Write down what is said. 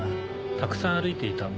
たくさん歩いていた。